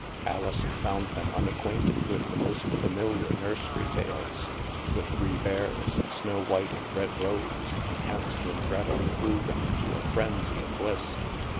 Alison found them unacquainted with the most familiar nursery tales ;" The Three Bears," " Snow STILL WATERS 105 White and Rose Red/' and " Hansel and Gretel," threw them into a frenzy of bliss.